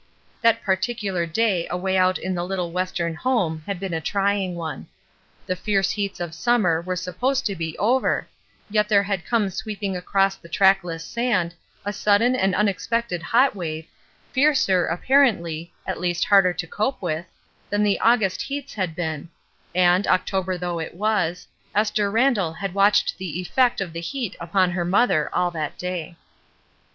That particular day away out in the little 386 ESTER RIED'S NAMESAKE Western home had been a trying one. The fierce heats of summer were supposed to be over, yet there had come sweeping across the trackless sand a sudden and unexpected hot wave, fiercer, apparently, at least harder to cope with, than the August heats had been; and, October though it was, Esther Randall had watched the effect of the heat upon her mother all that day.